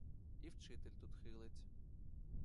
І вчитель тут хилить.